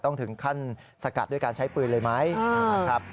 ต้องถึงขั้นสกัดด้วยการใช้ปืนเลยไหมนะครับ